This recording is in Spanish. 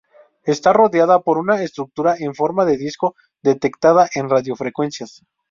Está rodeada por una estructura en forma de disco detectada en radiofrecuencias.